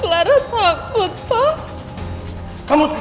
clara takut pak